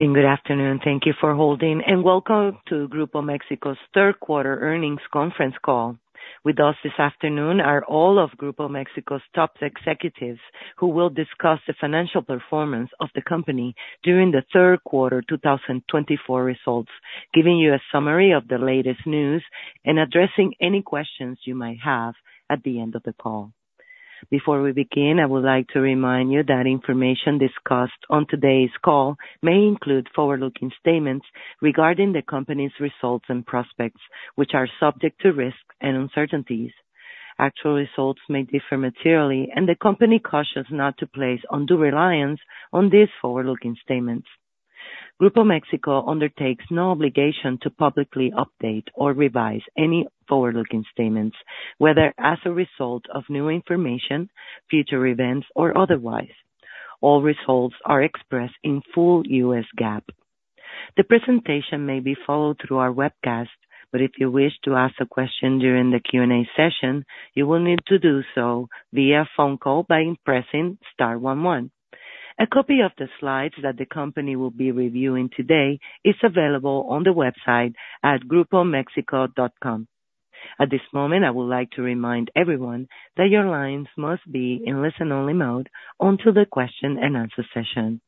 Good afternoon. Thank you for holding, and welcome to Grupo México's third quarter earnings conference call. With us this afternoon are all of Grupo México's top executives, who will discuss the financial performance of the company during the third quarter two thousand and twenty-four results, giving you a summary of the latest news and addressing any questions you might have at the end of the call. Before we begin, I would like to remind you that information discussed on today's call may include forward-looking statements regarding the company's results and prospects, which are subject to risks and uncertainties. Actual results may differ materially, and the company cautions not to place undue reliance on these forward-looking statements. Grupo México undertakes no obligation to publicly update or revise any forward-looking statements, whether as a result of new information, future events, or otherwise. All results are expressed in full U.S. GAAP. The presentation may be followed through our webcast, but if you wish to ask a question during the Q&A session, you will need to do so via phone call by pressing star one, one. A copy of the slides that the company will be reviewing today is available on the website at grupomexico.com. At this moment, I would like to remind everyone that your lines must be in listen-only mode until the question and answer session.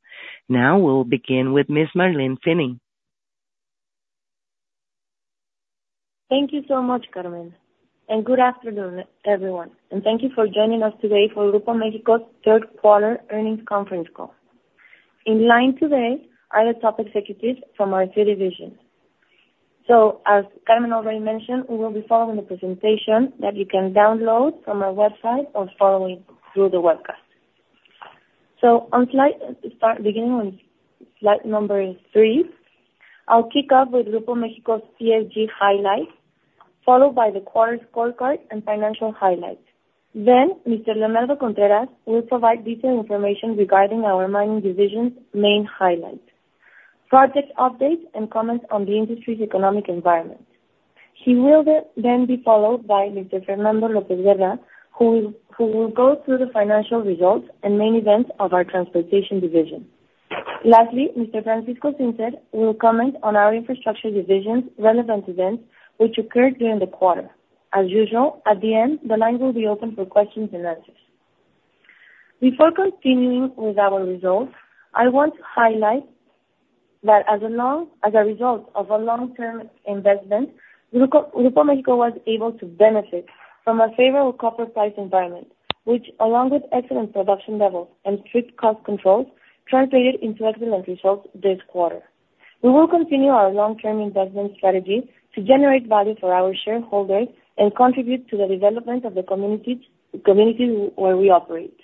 Now, we'll begin with Ms. Marlene Finny. Thank you so much, Carmen, and good afternoon, everyone, and thank you for joining us today for Grupo México's third quarter earnings conference call. In line today are the top executives from our three divisions. So as Carmen already mentioned, we will be following the presentation that you can download from our website or following through the webcast. So, starting on slide number three, I'll kick off with Grupo México's ESG highlights, followed by the quarter scorecard and financial highlights. Then Mr. Leonardo Contreras will provide detailed information regarding our mining division's main highlights, project updates, and comments on the industry's economic environment. He will then be followed by Mr. Fernando López Guerra, who will go through the financial results and main events of our transportation division. Lastly, Mr. Francisco Zinser will comment on our infrastructure division's relevant events which occurred during the quarter. As usual, at the end, the line will be open for questions and answers. Before continuing with our results, I want to highlight that as a result of a long-term investment, Grupo México was able to benefit from a favorable copper price environment, which, along with excellent production levels and strict cost controls, translated into excellent results this quarter. We will continue our long-term investment strategy to generate value for our shareholders and contribute to the development of the communities where we operate.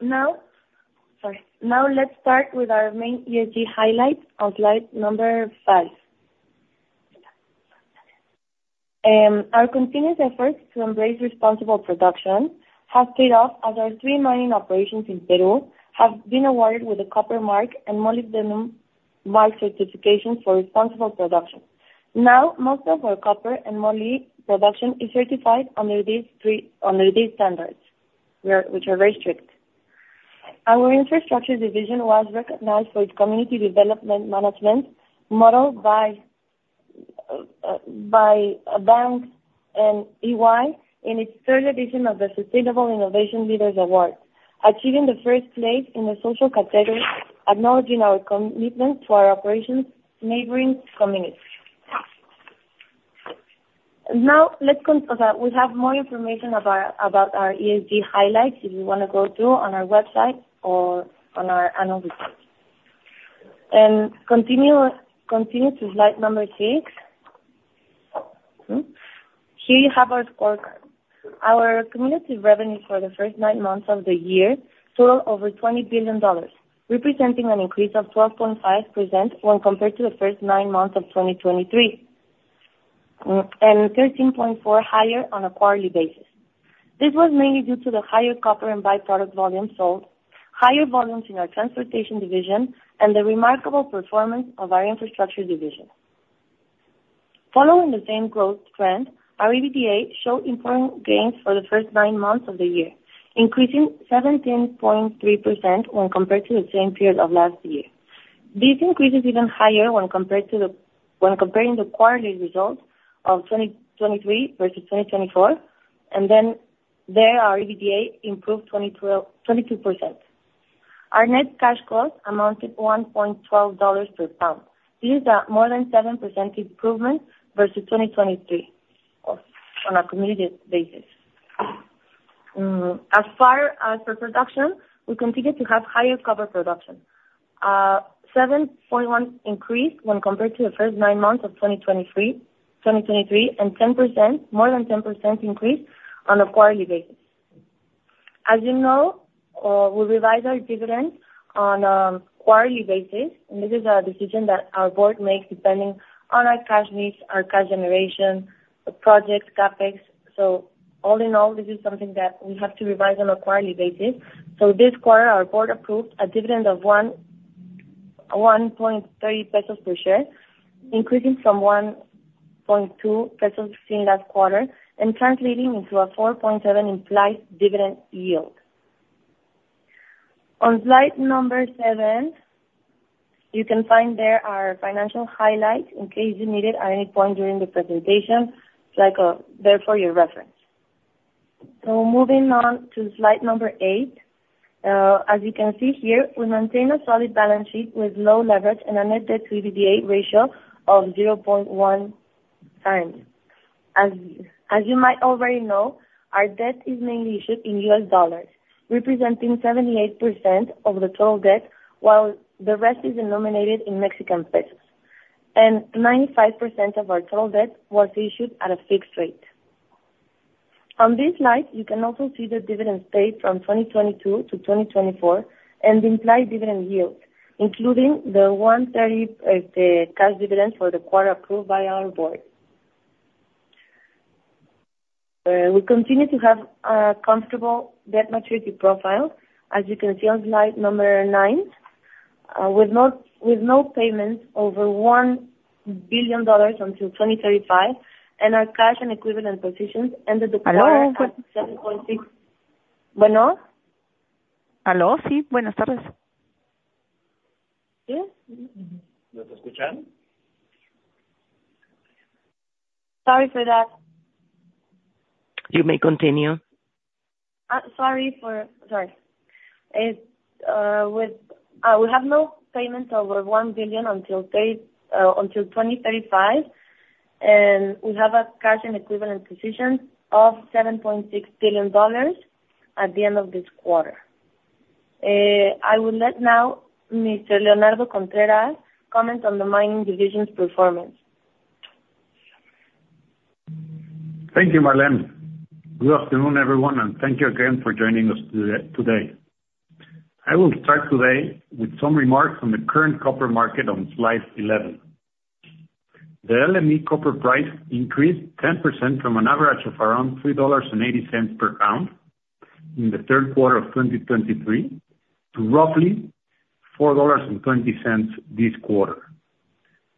Now, let's start with our main ESG highlights on slide number five. Our continuous efforts to embrace responsible production have paid off, as our three mining operations in Peru have been awarded with a Copper Mark and Molybdenum Mark certification for responsible production. Now, most of our copper and moly production is certified under these three, under these standards, which are very strict. Our infrastructure division was recognized for its community development management model by Banks and EY in its third edition of the Sustainable Innovation Leaders Award, achieving the first place in the social category, acknowledging our commitment to our operations' neighboring communities. Now, let's continue. We have more information about our ESG highlights, if you want to go through on our website or on our annual report. Continue to slide number six. Here you have our scorecard. Our cumulative revenue for the first nine months of the year totaled over $20 billion, representing an increase of 12.5% when compared to the first nine months of 2023, and 13.4% higher on a quarterly basis. This was mainly due to the higher copper and by-product volume sold, higher volumes in our transportation division, and the remarkable performance of our infrastructure division. Following the same growth trend, our EBITDA showed important gains for the first nine months of the year, increasing 17.3% when compared to the same period of last year. This increase is even higher when comparing the quarterly results of 2023 versus 2024, and then there, our EBITDA improved 22%. Our net cash costs amounted to $1.12 per pound. These are more than 7% improvement versus 2023, on a cumulative basis. As far as the production, we continue to have higher copper production. 7.1% increase when compared to the first nine months of 2023, and more than 10% increase on a quarterly basis. As you know, we revise our dividend on a quarterly basis, and this is a decision that our board makes depending on our cash needs, our cash generation, the projects, CapEx. So all in all, this is something that we have to revise on a quarterly basis. So this quarter, our board approved a dividend of 1.3 pesos per share, increasing from 1.2 pesos seen last quarter and translating into a 4.7% implied dividend yield. On slide number 7, you can find there our financial highlights in case you need it at any point during the presentation, like there for your reference. So moving on to slide number 8. As you can see here, we maintain a solid balance sheet with low leverage and a net debt to EBITDA ratio of 0.1 times. As you might already know, our debt is mainly issued in U.S. dollars, representing 78% of the total debt, while the rest is denominated in Mexican pesos, and 95% of our total debt was issued at a fixed rate. On this slide, you can also see the dividend paid from 2022 to 2024 and the implied dividend yield, including the $1.30 cash dividend for the quarter approved by our board. We continue to have a comfortable debt maturity profile, as you can see on slide 9, with no payments over $1 billion until 2035, and our cash and equivalents position ended the quarter. Hello? 7.6. Bueno? Hello, sí, buenas tardes. Yes? ¿Nos escuchan? Sorry for that. You may continue. Sorry. We have no payments over $1 billion until 2025 until 2035, and we have a cash and equivalent position of $7.6 billion at the end of this quarter. I will now let Mr. Leonardo Contreras comment on the mining division's performance. Thank you, Marlene. Good afternoon, everyone, and thank you again for joining us today. I will start today with some remarks on the current copper market on slide 11. The LME copper price increased 10% from an average of around $3.80 per pound in the third quarter of 2023 to roughly $4.20 this quarter.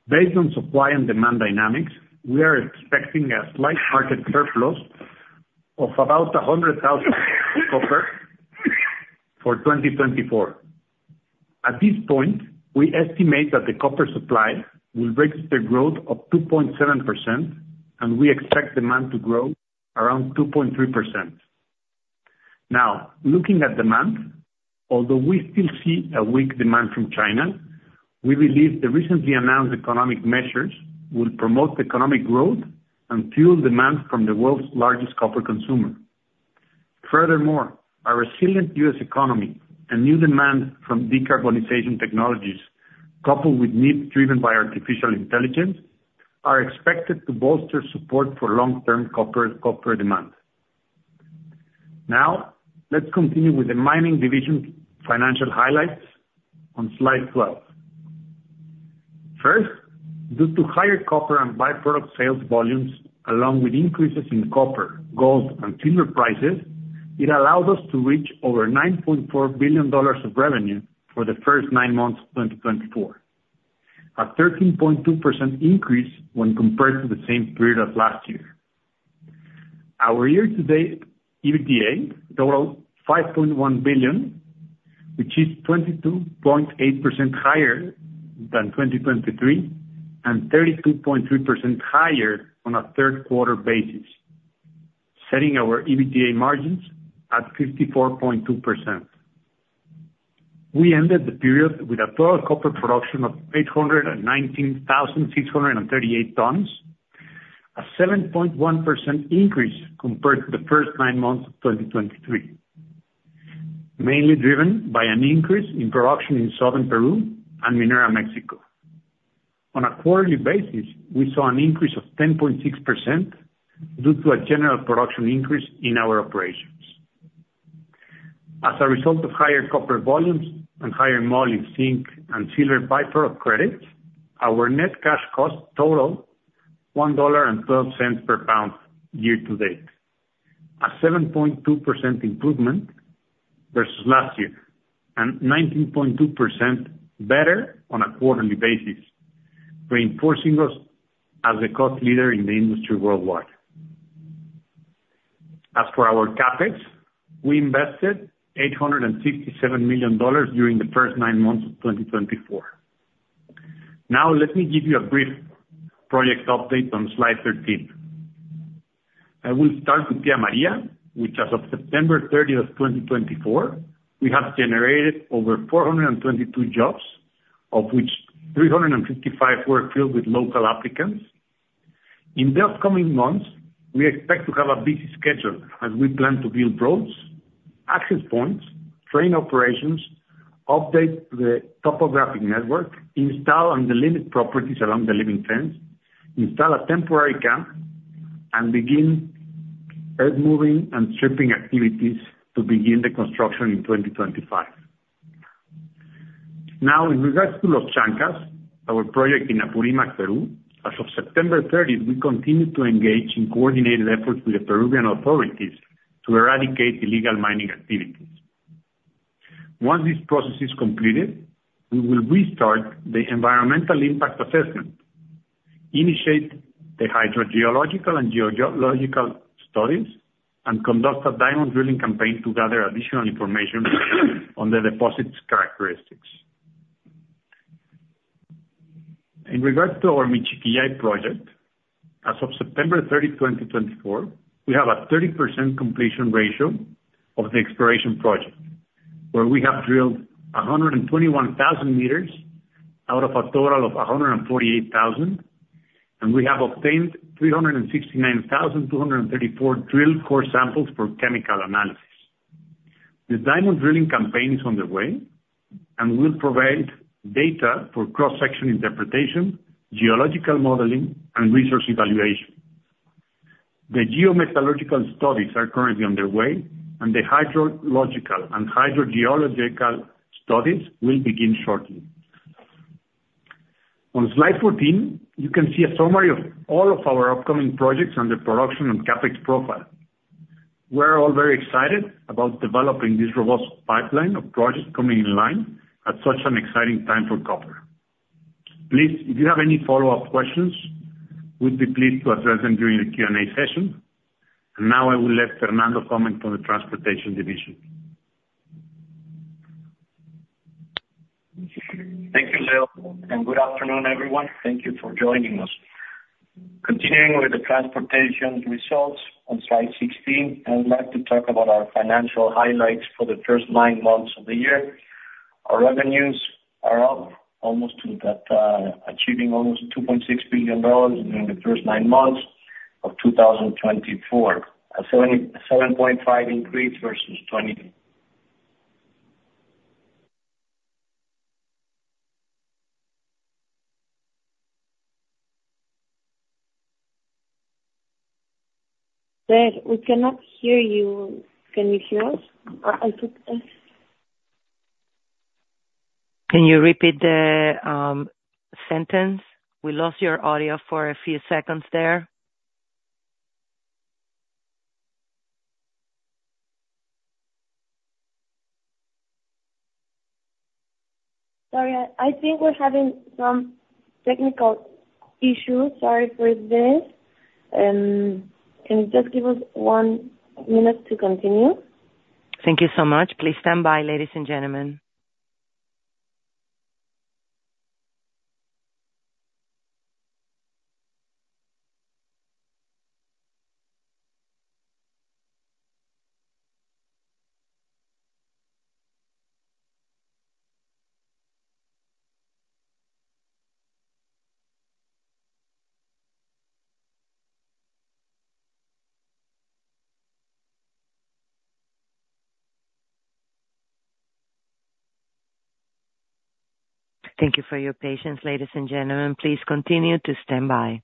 Based on supply and demand dynamics, we are expecting a slight market surplus of about 100,000 copper for 2024. At this point, we estimate that the copper supply will register growth of 2.7%, and we expect demand to grow around 2.3%. Now, looking at demand, although we still see a weak demand from China, we believe the recently announced economic measures will promote economic growth and fuel demand from the world's largest copper consumer. Furthermore, our resilient U.S. economy and new demand from decarbonization technologies, coupled with need driven by artificial intelligence, are expected to bolster support for long-term copper, copper demand. Now, let's continue with the mining division's financial highlights on slide 12. First, due to higher copper and by-product sales volumes, along with increases in copper, gold, and silver prices, it allowed us to reach over $9.4 billion of revenue for the first nine months of 2024, a 13.2% increase when compared to the same period of last year. Our year-to-date EBITDA total $5.1 billion, which is 22.8% higher than 2023, and 32.3% higher on a third quarter basis, setting our EBITDA margins at 54.2%. We ended the period with a total copper production of 819,638 tons, a 7.1% increase compared to the first nine months of 2023, mainly driven by an increase in production in southern Peru and Minera México. On a quarterly basis, we saw an increase of 10.6% due to a general production increase in our operations. As a result of higher copper volumes and higher moly, zinc, and silver by-product credits, our net cash costs total $1.12 per pound year to date, a 7.2% improvement versus last year, and 19.2% better on a quarterly basis, reinforcing us as a cost leader in the industry worldwide. As for our CapEx, we invested $867 million during the first nine months of 2024. Now, let me give you a brief project update on slide 13. I will start with Tía María, which as of September 30, 2024, we have generated over 422 jobs, of which 355 were filled with local applicants. In the upcoming months, we expect to have a busy schedule as we plan to build roads, access points, train operations, update the topographic network, install and delimit properties along the limit fence, install a temporary camp, and begin earthmoving and stripping activities to begin the construction in 2025. Now, in regards to Los Chancas, our project in Apurímac, Peru, as of September 30, we continue to engage in coordinated efforts with the Peruvian authorities to eradicate illegal mining activities. Once this process is completed, we will restart the environmental impact assessment, initiate the hydrogeological and geological studies, and conduct a diamond drilling campaign to gather additional information on the deposit's characteristics. In regards to our Michiquillay project, as of September 30, 2024, we have a 30% completion ratio of the exploration project, where we have drilled 121,000 meters out of a total of 148,000, and we have obtained 369,234 drilled core samples for chemical analysis. The diamond drilling campaign is on the way, and we'll provide data for cross-section interpretation, geological modeling, and resource evaluation. The geometallurgical studies are currently underway, and the hydrological and hydrogeological studies will begin shortly. On slide 14, you can see a summary of all of our upcoming projects and the production and CapEx profile. We're all very excited about developing this robust pipeline of projects coming in line at such an exciting time for copper. Please, if you have any follow-up questions, we'd be pleased to address them during the Q&A session. And now I will let Fernando comment on the transportation division. Thank you, Leo, and good afternoon, everyone. Thank you for joining us. Continuing with the transportation results on slide 16, I would like to talk about our financial highlights for the first nine months of the year. Our revenues are up almost to that, achieving almost $2.6 billion during the first nine months of two thousand twenty-four, a 77.5% increase versus twenty- Sir, we cannot hear you. Can you hear us? I think... Can you repeat the sentence? We lost your audio for a few seconds there. Sorry, I think we're having some technical issues. Sorry for this. Can you just give us one minute to continue? Thank you so much. Please stand by, ladies and gentlemen. Thank you for your patience, ladies and gentlemen. Please continue to stand by.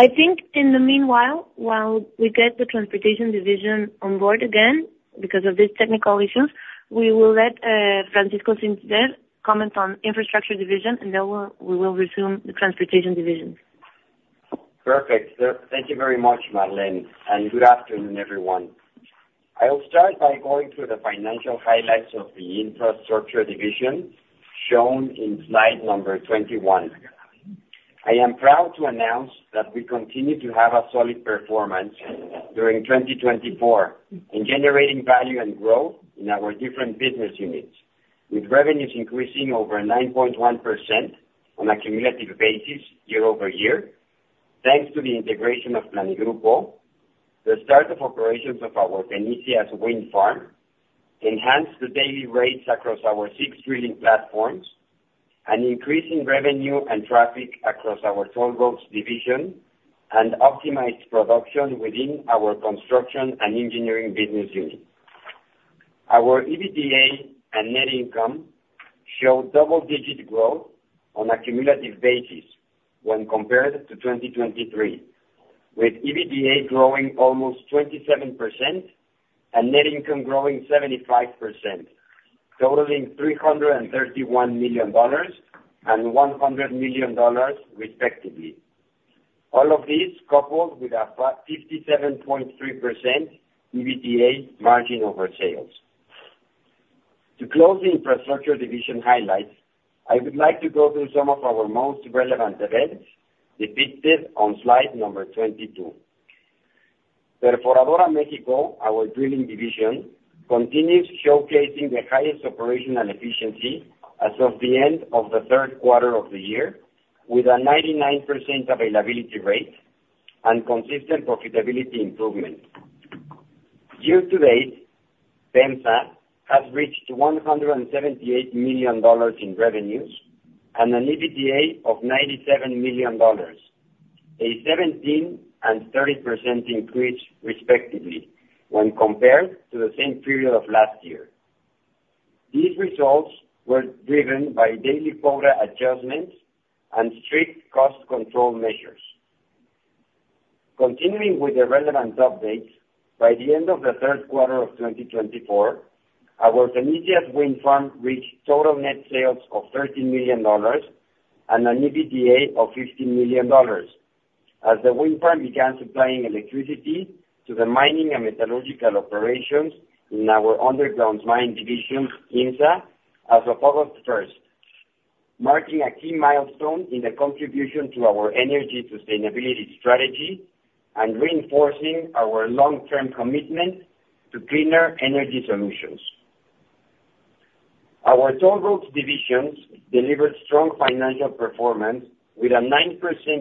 I think in the meanwhile, while we get the transportation division on board again, because of these technical issues, we will let Francisco Zinser comment on infrastructure division, and then we will resume the transportation division. Perfect. So thank you very much, Marlene, and good afternoon, everyone. I will start by going through the financial highlights of the infrastructure division, shown in slide number 21. I am proud to announce that we continue to have a solid performance during 2024, in generating value and growth in our different business units, with revenues increasing over 9.1% on a cumulative basis year over year, thanks to the integration of Planigrupo, the start of operations of our Fenicias Wind Farm, enhance the daily rates across our six drilling platforms, an increase in revenue and traffic across our toll roads division, and optimized production within our construction and engineering business unit. Our EBITDA and net income showed double-digit growth on a cumulative basis when compared to 2023, with EBITDA growing almost 27% and net income growing 75%, totaling $331 million and $100 million, respectively. All of this coupled with a 57.3% EBITDA margin over sales. To close the infrastructure division highlights, I would like to go through some of our most relevant events depicted on slide number 22. Perforadora México, our drilling division, continues showcasing the highest operational efficiency as of the end of the third quarter of the year, with a 99% availability rate and consistent profitability improvement. Year to date, PEMSA has reached $178 million in revenues and an EBITDA of $97 million, a 17% and 30% increase respectively when compared to the same period of last year. These results were driven by daily quota adjustments and strict cost control measures. Continuing with the relevant updates, by the end of the third quarter of 2024, our Fenicias Wind Farm reached total net sales of $13 million and an EBITDA of $15 million. As the wind farm began supplying electricity to the mining and metallurgical operations in our underground mining division, IMMSA, as of August first, marking a key milestone in the contribution to our energy sustainability strategy and reinforcing our long-term commitment to cleaner energy solutions. Our toll roads divisions delivered strong financial performance with a 9%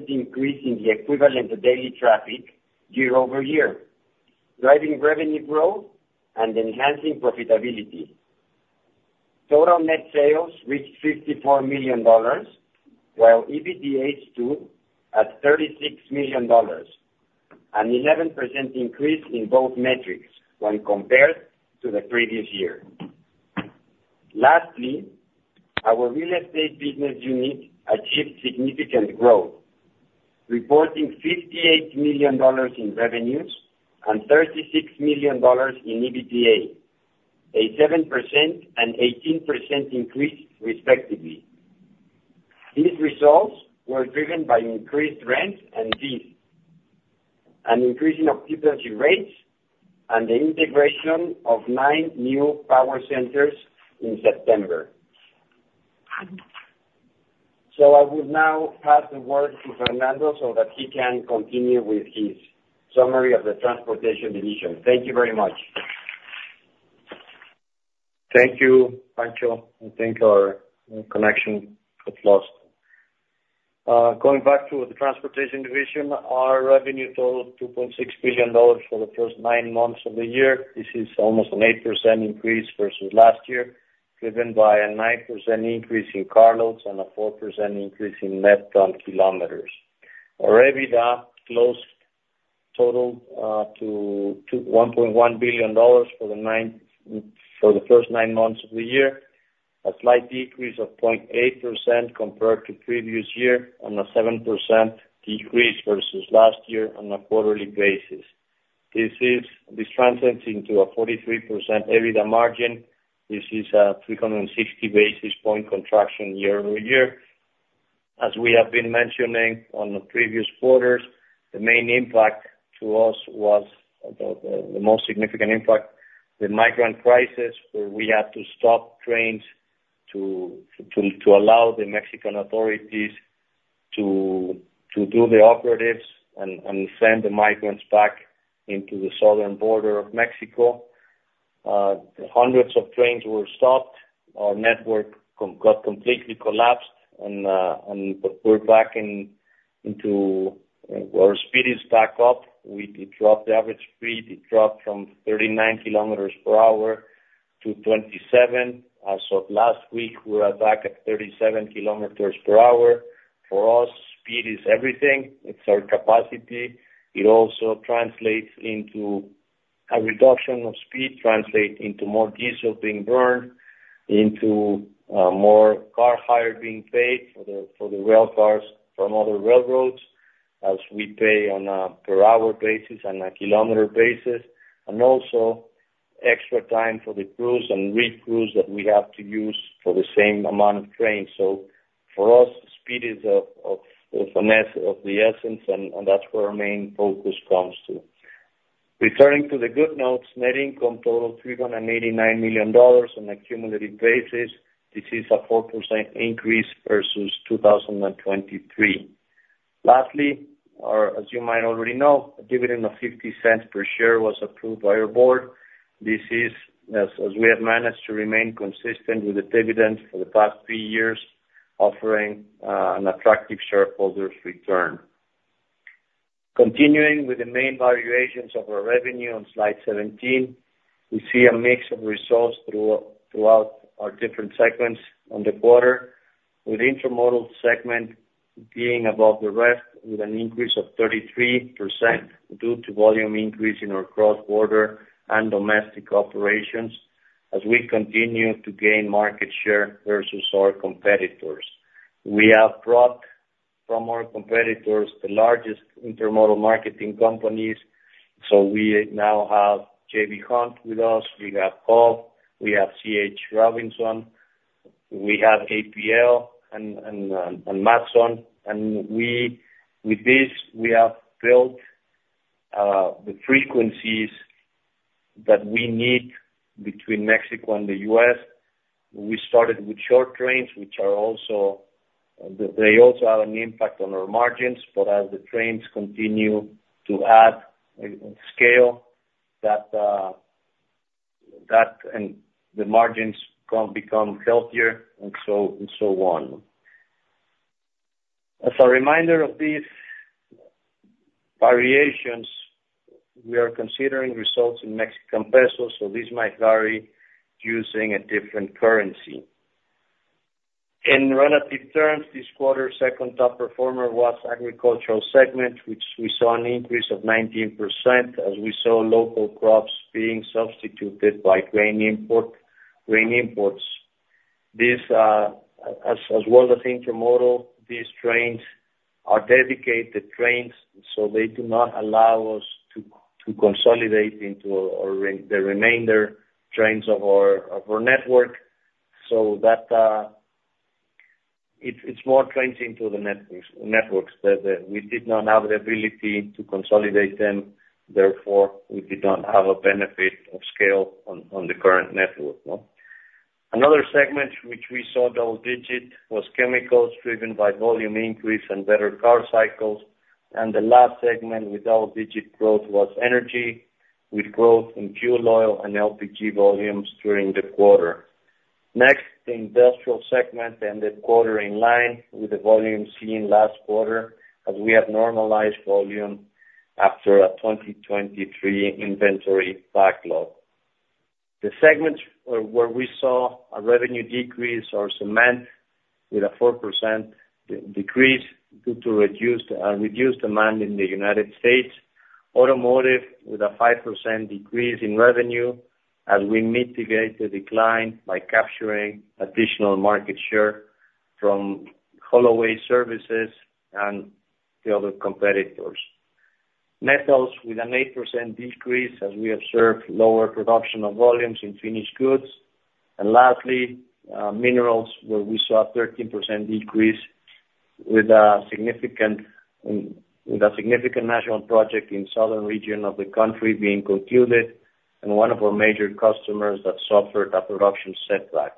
increase in the equivalent of daily traffic year over year, driving revenue growth and enhancing profitability. Total net sales reached $54 million, while EBITDA stood at $36 million, an 11% increase in both metrics when compared to the previous year. Lastly, our real estate business unit achieved significant growth, reporting $58 million in revenues and $36 million in EBITDA, a 7% and 18% increase, respectively. These results were driven by increased rents and fees, an increase in occupancy rates, and the integration of nine new power centers in September. So I would now pass the word to Fernando so that he can continue with his summary of the transportation division. Thank you very much. Thank you, Pancho. I think our connection got lost. Going back to the transportation division, our revenue totaled $2.6 billion for the first nine months of the year. This is almost an 8% increase versus last year, driven by a 9% increase in car loads and a 4% increase in net ton kilometers. Our EBITDA closed total to $1.1 billion for the nine, for the first nine months of the year, a slight decrease of 0.8% compared to previous year, and a 7% decrease versus last year on a quarterly basis. This translates into a 43% EBITDA margin. This is a 360 basis point contraction year over year. As we have been mentioning on the previous quarters, the main impact to us was the most significant impact, the migrant crisis, where we had to stop trains to allow the Mexican authorities to do the operations and send the migrants back into the southern border of Mexico. Hundreds of trains were stopped. Our network completely collapsed and, but we're back into our speed is back up. It dropped the average speed. It dropped from 39 kilometers per hour to 27. As of last week, we are back at 37 kilometers per hour. For us, speed is everything. It's our capacity. It also translates into... A reduction of speed translates into more diesel being burned, into more car hire being paid for the rail cars from other railroads, as we pay on a per hour basis and a kilometer basis, and also extra time for the crews and recrews that we have to use for the same amount of trains. So for us, speed is of the essence, and that's where our main focus comes to. Returning to the good notes, net income totaled $389 million on a cumulative basis. This is a 4% increase versus 2023. Lastly, or as you might already know, a dividend of $0.50 per share was approved by our board. This is as we have managed to remain consistent with the dividends for the past three years, offering an attractive shareholders return. Continuing with the main variations of our revenue on slide 17, we see a mix of results throughout our different segments on the quarter, with intermodal segment being above the rest, with an increase of 33% due to volume increase in our cross-border and domestic operations, as we continue to gain market share versus our competitors. We have brought from our competitors, the largest intermodal marketing companies, so we now have J.B. Hunt with us, we have Hub Group, we have C.H. Robinson, we have APL and Matson. And with this, we have built the frequencies that we need between Mexico and the U.S. We started with short trains, which are also, they also have an impact on our margins. But as the trains continue to add scale, that, that and the margins become healthier, and so on and so on. As a reminder of these variations, we are considering results in Mexican pesos, so this might vary using a different currency. In relative terms, this quarter second top performer was agricultural segment, which we saw an increase of 19% as we saw local crops being substituted by grain import, grain imports. This, as, as well as intermodal, these trains are dedicated trains, so they do not allow us to, to consolidate into the remainder trains of our, of our network. So that it's more trains into the Ferromex networks that we did not have the ability to consolidate them, therefore, we did not have a benefit of scale on the current network, no? Another segment which we saw double digit was chemicals, driven by volume increase and better car cycles. And the last segment with double digit growth was energy, with growth in fuel oil and LPG volumes during the quarter. Next, the industrial segment ended quarter in line with the volume seen last quarter, as we have normalized volume after a 2023 inventory backlog. The segments where we saw a revenue decrease are cement, with a 4% decrease due to reduced demand in the United States. Automotive, with a 5% decrease in revenue, as we mitigate the decline by capturing additional market share from haulaway services and the other competitors. Metals, with an 8% decrease, as we observed lower production of volumes in finished goods. And lastly, minerals, where we saw a 13% decrease, with a significant national project in southern region of the country being concluded, and one of our major customers that suffered a production setback.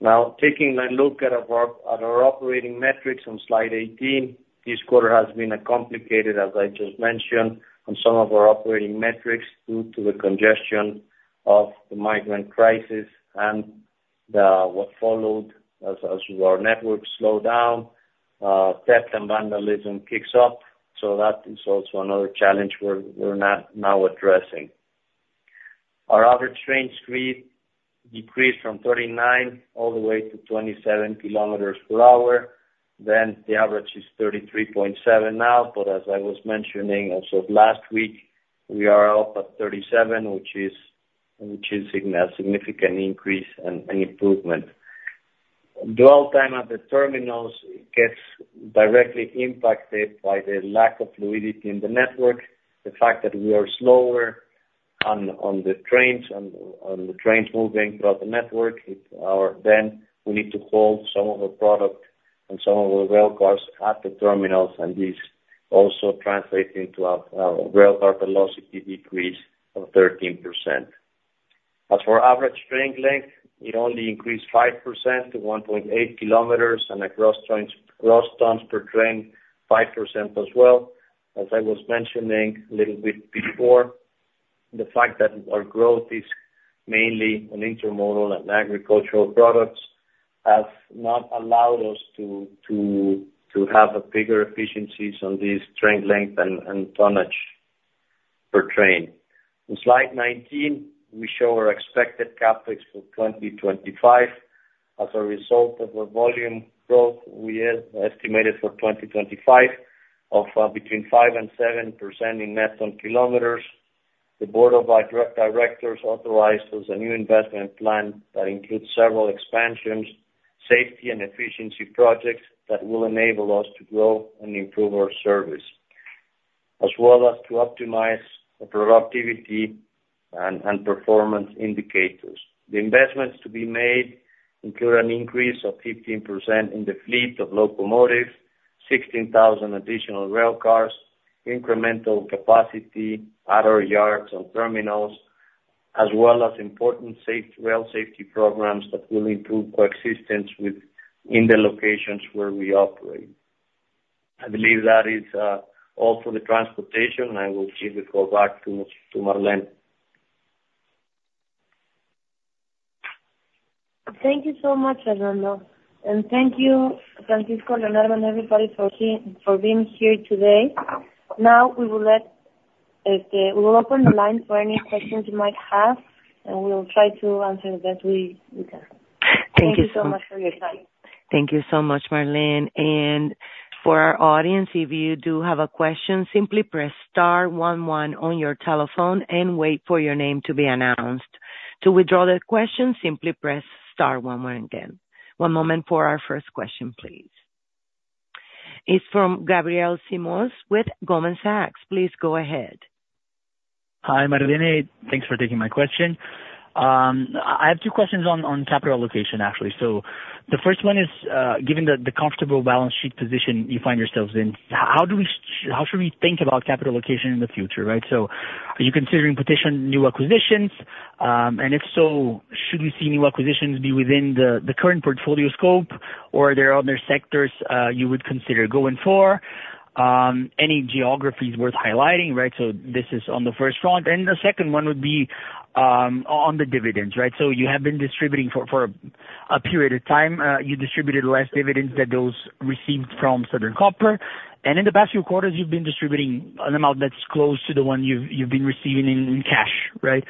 Now, taking a look at our operating metrics on slide 18, this quarter has been complicated, as I just mentioned, on some of our operating metrics, due to the congestion of the migrant crisis and what followed as our network slowed down, theft and vandalism picks up. So that is also another challenge we're now addressing. Our average train speed decreased from 39 all the way to 27 km per hour. Then the average is 33.7 now, but as I was mentioning, as of last week, we are up at 37, which is a significant increase and improvement. Dwell time at the terminals gets directly impacted by the lack of fluidity in the network. The fact that we are slower on the trains and on the trains moving throughout the network, it then we need to hold some of the product and some of the rail cars at the terminals, and this also translates into a rail car velocity decrease of 13%. As for average train length, it only increased 5% to 1.8 km, and the gross tons per train, 5% as well. As I was mentioning a little bit before, the fact that our growth is mainly on intermodal and agricultural products has not allowed us to have a bigger efficiencies on this train length and tonnage per train. In slide 19, we show our expected CapEx for 2025. As a result of the volume growth we have estimated for 2025 of between 5% and 7% in net ton kilometers, the board of directors authorized us a new investment plan that includes several expansions, safety and efficiency projects that will enable us to grow and improve our service, as well as to optimize the productivity and performance indicators. The investments to be made include an increase of 15% in the fleet of locomotives, 16,000 additional rail cars, incremental capacity at our yards and terminals, as well as important rail safety programs that will improve coexistence within the locations where we operate. I believe that is all for the transportation. I will give the call back to Marlene. Thank you so much, Fernando. And thank you, Francisco, Leonardo, and everybody for being here today. Now, we will let we will open the line for any questions you might have, and we will try to answer the best we can. Thank you so much for your time. Thank you so much, Marlene, and for our audience, if you do have a question, simply press star one one on your telephone and wait for your name to be announced. To withdraw the question, simply press star one one again. One moment for our first question, please. It's from Gabriel Simões with Goldman Sachs. Please go ahead. Hi, Marlene. Thanks for taking my question. I have two questions on capital allocation, actually. So the first one is, given the comfortable balance sheet position you find yourselves in, how should we think about capital allocation in the future, right? So are you considering potential new acquisitions? And if so, should we see new acquisitions be within the current portfolio scope, or are there other sectors you would consider going for? Any geographies worth highlighting, right? So this is on the first front, and the second one would be, on the dividends, right? So you have been distributing for a period of time, you distributed less dividends than those received from Southern Copper.... In the past few quarters, you've been distributing an amount that's close to the one you've been receiving in cash, right?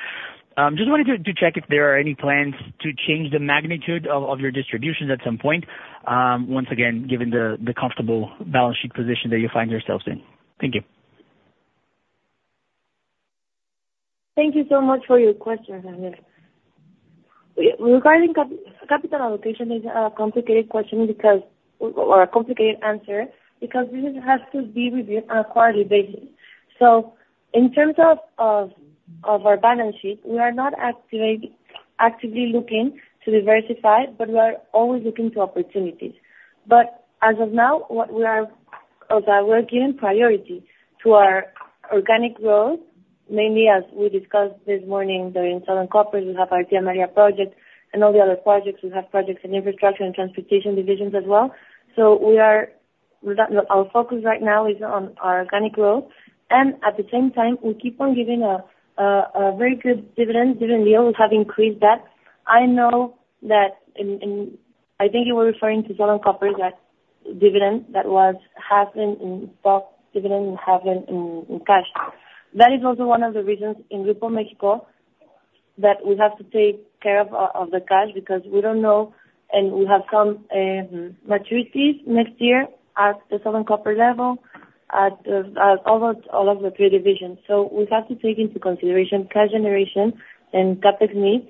Just wanted to check if there are any plans to change the magnitude of your distributions at some point, once again, given the comfortable balance sheet position that you find yourselves in. Thank you. Thank you so much for your question, Daniel. Regarding capital allocation, is a complicated question because, or a complicated answer, because this has to be reviewed on a quarterly basis. So in terms of our balance sheet, we are not actively looking to diversify, but we are always looking to opportunities. But as of now, what we are, we are giving priority to our organic growth, mainly as we discussed this morning, during Southern Copper, we have our Tía María project and all the other projects, we have projects in infrastructure and transportation divisions as well. So with that, our focus right now is on our organic growth, and at the same time, we keep on giving a very good dividend. Dividend yield, we have increased that. I know that in. I think you were referring to Southern Copper, that dividend that was half in stock dividend and half in cash. That is also one of the reasons in Grupo México, that we have to take care of the cash, because we don't know, and we have some maturities next year at the Southern Copper level, at all of the three divisions. So we have to take into consideration cash generation and CapEx needs,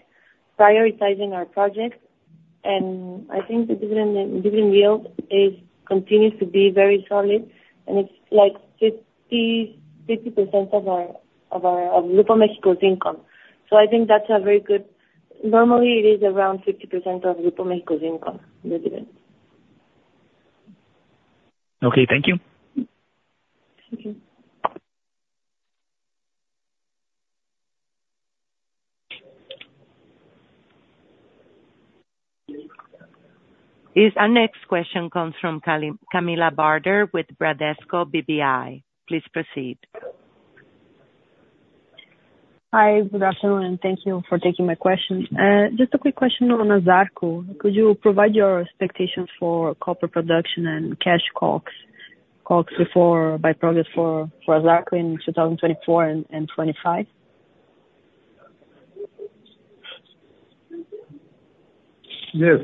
prioritizing our projects. I think the dividend and dividend yield continues to be very solid, and it's like 50%. So I think that's a very good. Normally it is around 50% of Grupo México's income, the dividend. Okay, thank you. Thank you. Our next question comes from Camilla Barder with Bradesco BBI. Please proceed. Hi, good afternoon, and thank you for taking my question. Just a quick question on ASARCO. Could you provide your expectations for copper production and cash costs, costs before by-product credits for ASARCO in 2024 and 2025? Yes,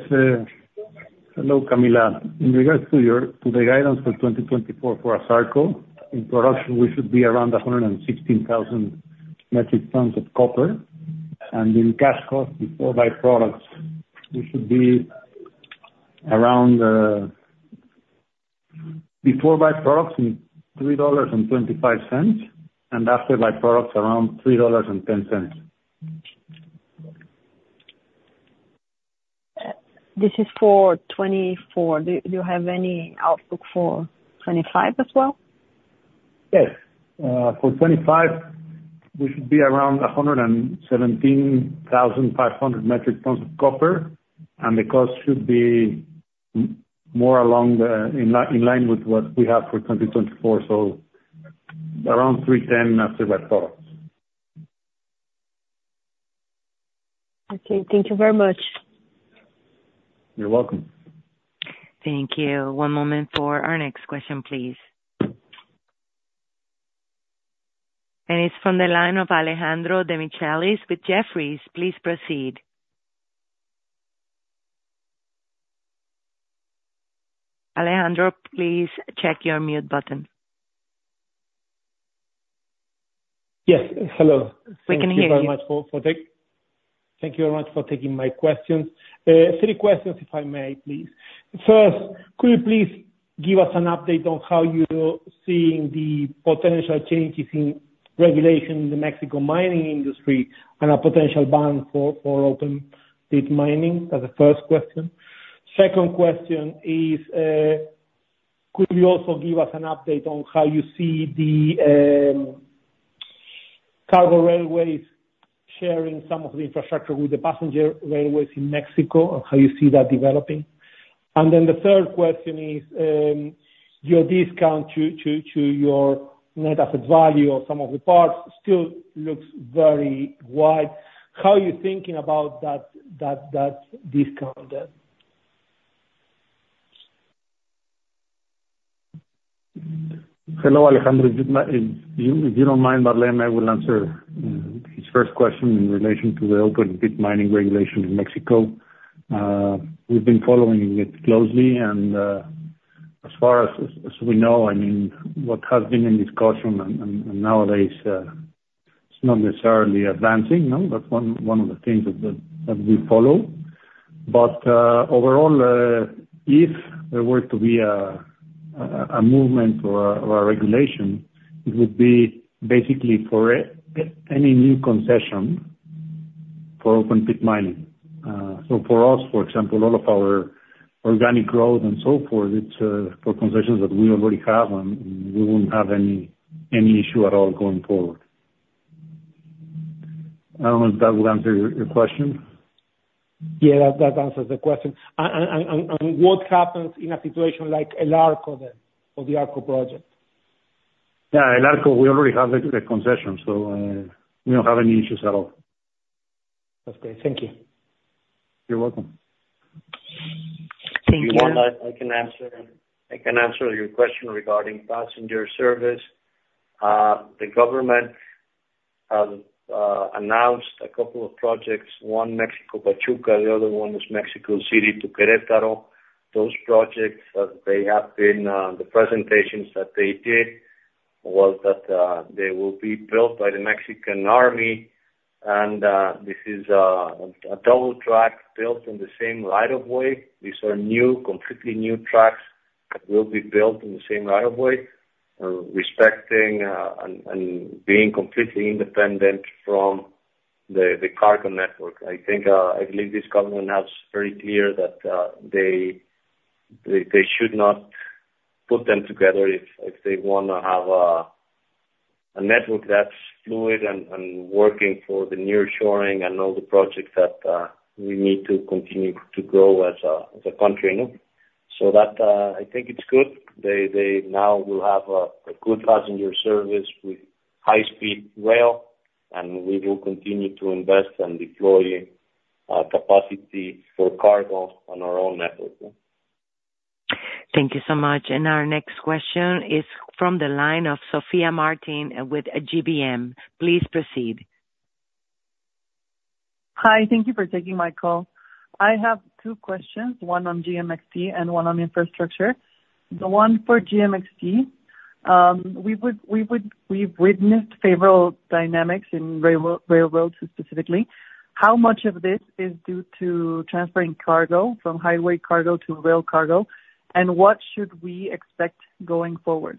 hello, Camilla. In regards to your, to the guidance for 2024 for ASARCO, in production we should be around 116,000 metric tons of copper, and in cash costs before by-products, we should be around, before by-products, $3.25, and after by-products, around $3.10. This is for 2024. Do you have any outlook for 2025 as well? Yes. For 2025, we should be around 117,500 metric tons of copper, and the cost should be more along the in line with what we have for 2024, so around $3.10 after by-products. Okay. Thank you very much. You're welcome. Thank you. One moment for our next question, please. And it's from the line of Alejandro Demichelis with Jefferies. Please proceed. Alejandro, please check your mute button. Yes, hello. We can hear you. Thank you very much for taking my questions. Three questions, if I may, please. First, could you please give us an update on how you're seeing the potential changes in regulation in the Mexico mining industry, and a potential ban on open-pit mining? That's the first question. Second question is, could you also give us an update on how you see the cargo railways sharing some of the infrastructure with the passenger railways in Mexico, and how you see that developing? And then the third question is, your discount to your net asset value of some of the parts still looks very wide. How are you thinking about that discount then? Hello, Alejandro. If you don't mind, Marlene, I will answer his first question in relation to the open-pit mining regulation in Mexico. We've been following it closely, and as far as we know, I mean, what has been in discussion and nowadays it's not necessarily advancing, no? That's one of the things that we follow. But overall, if there were to be a movement or a regulation, it would be basically for any new concession for open-pit mining. So for us, for example, all of our organic growth and so forth, it's for concessions that we already have, and we wouldn't have any issue at all going forward. I don't know if that would answer your question? Yeah, that answers the question. What happens in a situation like El Arco then, or the Arco project?... Yeah, El Arco, we already have the concession, so we don't have any issues at all. That's great. Thank you. You're welcome. Thank you. If you want, I can answer your question regarding passenger service. The government has announced a couple of projects, one Mexico-Pachuca, the other one is Mexico City to Querétaro. Those projects, they have been, the presentations that they did was that they will be built by the Mexican army, and this is a double track built in the same right of way. These are new, completely new tracks that will be built in the same right of way, respecting and being completely independent from the cargo network. I think, I believe this government has very clear that they should not put them together if they wanna have a network that's fluid and working for the nearshoring and all the projects that we need to continue to grow as a country, no? So that I think it's good. They now will have a good passenger service with high speed rail, and we will continue to invest and deploy capacity for cargo on our own network. Thank you so much. And our next question is from the line of Sofia Martin with GBM. Please proceed. Hi, thank you for taking my call. I have two questions, one on GMXT and one on infrastructure. The one for GMXT, we've witnessed favorable dynamics in railroads specifically. How much of this is due to transferring cargo from highway cargo to rail cargo, and what should we expect going forward?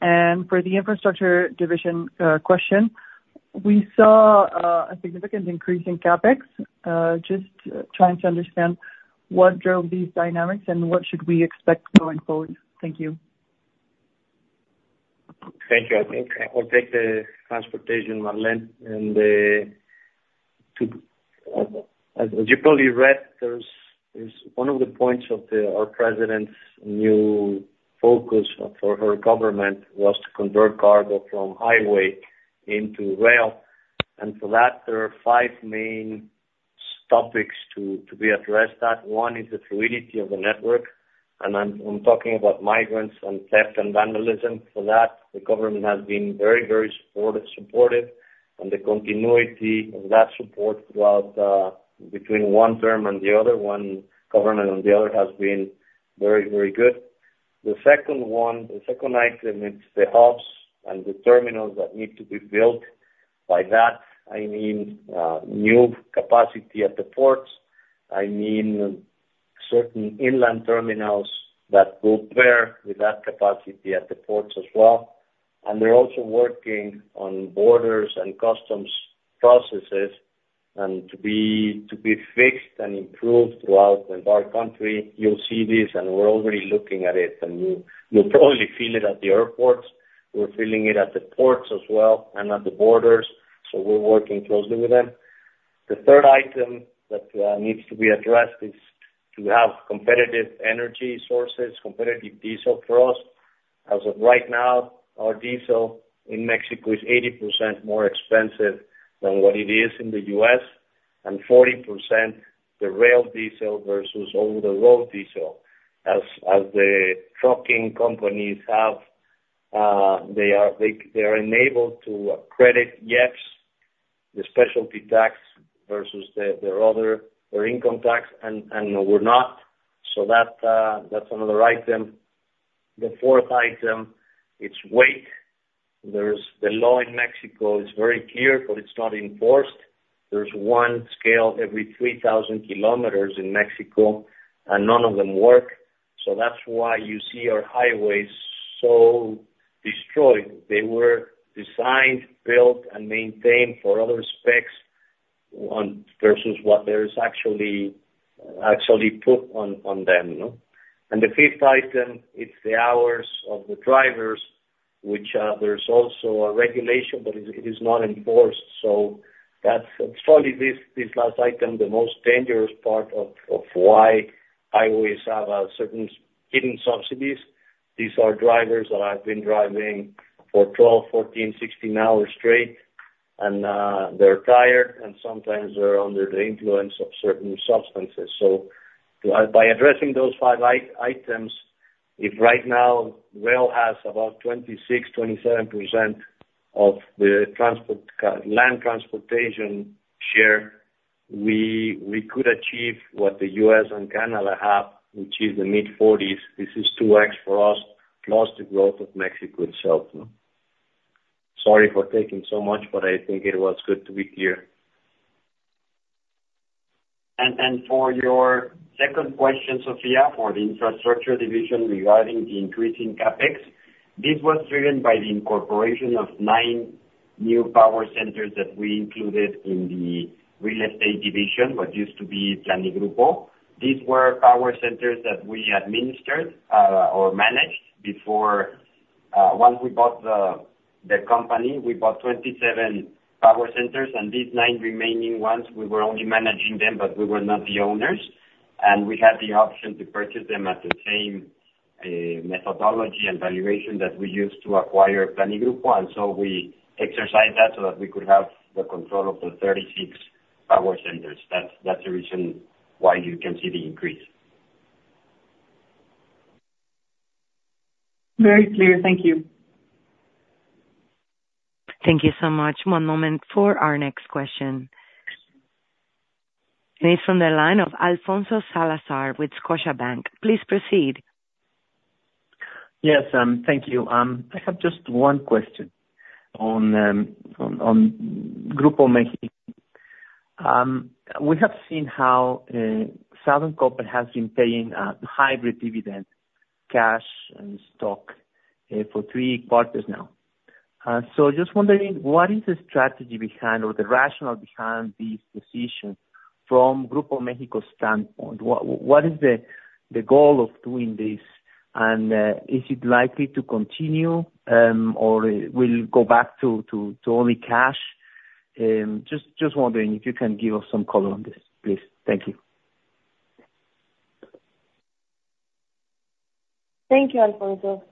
And for the infrastructure division, question, we saw a significant increase in CapEx, just trying to understand what drove these dynamics and what should we expect going forward? Thank you. Thank you. I think I will take the transportation, Marlene, and as you probably read, there's one of the points of our president's new focus for her government was to convert cargo from highway into rail, and for that, there are five main topics to be addressed at. One is the fluidity of the network, and I'm talking about migrants and theft and vandalism. For that, the government has been very supportive, and the continuity of that support throughout between one term and the other, one government and the other, has been very good. The second item, it's the hubs and the terminals that need to be built. By that, I mean new capacity at the ports. I mean, certain inland terminals that pair with that capacity at the ports as well. We're also working on borders and customs processes, and to be fixed and improved throughout the entire country. You'll see this, and we're already looking at it, and you'll probably feel it at the airports. We're feeling it at the ports as well, and at the borders, so we're working closely with them. The third item that needs to be addressed is to have competitive energy sources, competitive diesel for us. As of right now, our diesel in Mexico is 80% more expensive than what it is in the U.S., and 40% the rail diesel versus over the road diesel. As the trucking companies have, they are enabled to credit IEPS, the specialty tax versus their other, their income tax, and we're not. So that's another item. The fourth item, it's weight. There's the law in Mexico is very clear, but it's not enforced. There's one scale every 3,000 km in Mexico, and none of them work. So that's why you see our highways so destroyed. They were designed, built, and maintained for other specs on versus what there is actually put on them, you know? And the fifth item, it's the hours of the drivers, which, there's also a regulation, but it is not enforced. So that's probably this last item, the most dangerous part of why highways have certain hidden subsidies. These are drivers that have been driving for 12, 14, 16 hours straight, and they're tired, and sometimes they're under the influence of certain substances. By addressing those five items, if right now rail has about 26%-27% of the land transportation share, we could achieve what the US and Canada have, which is the mid-40s. This is 2x for us, plus the growth of Mexico itself, no? Sorry for taking so much, but I think it was good to be clear. And for your second question, Sofia, for the infrastructure division regarding the increase in CapEx, this was driven by the incorporation of 9 new power centers that we included in the real estate division, what used to be Planigrupo. These were power centers that we administered or managed before. Once we bought the company, we bought 27 power centers, and these 9 remaining ones, we were only managing them, but we were not the owners. We had the option to purchase them at the same methodology and valuation that we used to acquire Planigrupo, and so we exercised that so that we could have the control of the 36 power centers. That's the reason why you can see the increase. Very clear. Thank you. Thank you so much. One moment for our next question. And it's from the line of Alfonso Salazar with Scotiabank. Please proceed. Yes, thank you. I have just one question on Grupo México. We have seen how Southern Copper has been paying a hybrid dividend, cash and stock, for three quarters now. So just wondering, what is the strategy behind or the rationale behind this decision from Grupo México's standpoint? What is the goal of doing this? And is it likely to continue, or it will go back to only cash? Just wondering if you can give us some color on this, please. Thank you. Thank you, Alfonso.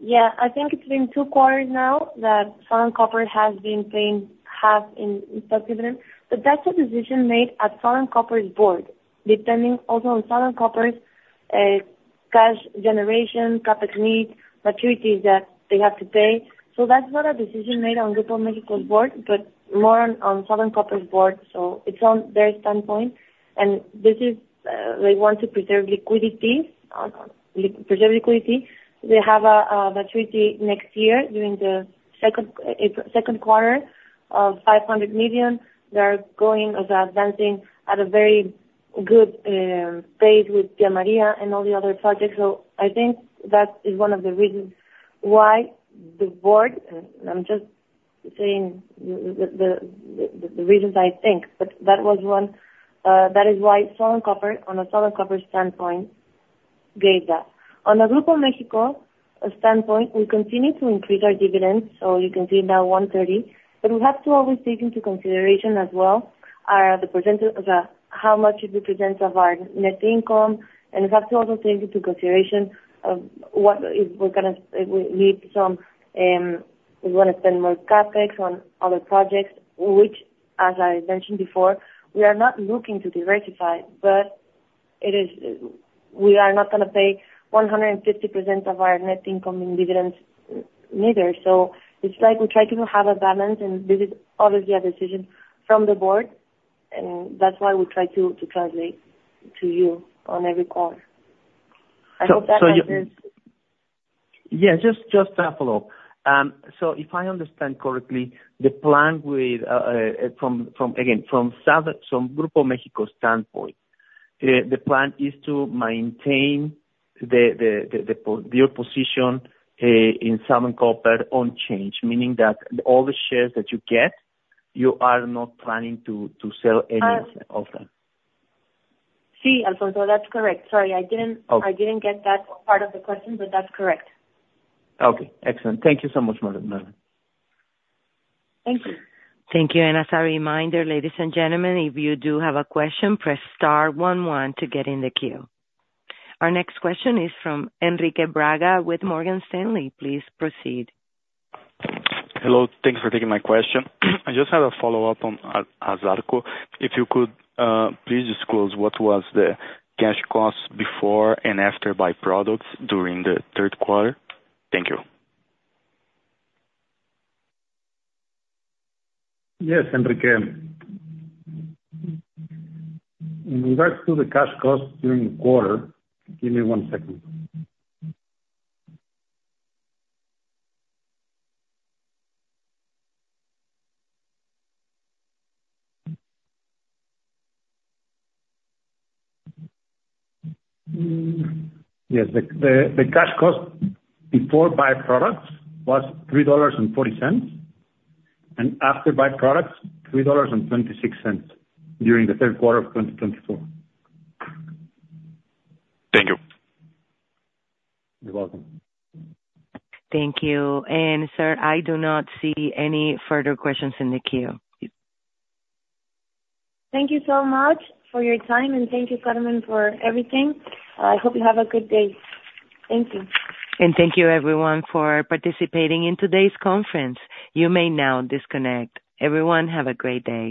Yeah, I think it's been two quarters now that Southern Copper has been paying half in stock dividend, but that's a decision made at Southern Copper's board, depending also on Southern Copper's cash generation, CapEx needs, maturities that they have to pay. So that's not a decision made on Grupo México's board, but more on Southern Copper's board, so it's on their standpoint. And this is, they want to preserve liquidity. They have a maturity next year during the second quarter of $500 million. They are going or they are advancing at a very good pace with Tía María and all the other projects. I think that is one of the reasons why the board, and I'm just saying the reasons I think, but that was one, that is why Southern Copper, on a Southern Copper standpoint, gave that. On a Grupo México standpoint, we continue to increase our dividends, so you can see now 130. But we have to always take into consideration as well, the percentage of how much it represents of our net income, and we have to also take into consideration what if we're gonna we need some we wanna spend more CapEx on other projects, which, as I mentioned before, we are not looking to diversify, but it is, we are not gonna pay 150% of our net income in dividends, neither. So it's like we try to have a balance, and this is obviously a decision from the board, and that's why we try to translate to you on every call. I hope that answers- Yeah, just to follow up. So if I understand correctly, the plan with from Southern, from Grupo México's standpoint, the plan is to maintain your position in Southern Copper unchanged, meaning that all the shares that you get, you are not planning to sell any of them? Sí, Alfonso, that's correct. Sorry, I didn't- Okay. I didn't get that part of the question, but that's correct. Okay, excellent. Thank you so much, madam. Thank you. Thank you. And as a reminder, ladies and gentlemen, if you do have a question, press star one one to get in the queue. Our next question is from Henrique Braga with Morgan Stanley. Please proceed. Hello. Thanks for taking my question. I just have a follow-up on ASARCO. If you could, please disclose what was the cash cost before and after byproducts during the third quarter? Thank you. Yes, Henrique. In regards to the cash costs during the quarter... Give me one second. Yes, the cash cost before byproducts was $3.40, and after byproducts, $3.26 during the third quarter of 2024. Thank you. You're welcome. Thank you. And sir, I do not see any further questions in the queue. Thank you so much for your time, and thank you, Carmen, for everything. I hope you have a good day. Thank you. Thank you everyone for participating in today's conference. You may now disconnect. Everyone, have a great day.